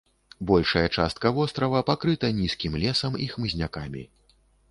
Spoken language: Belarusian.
Большая частка вострава пакрыта нізкім лесам і хмызнякамі.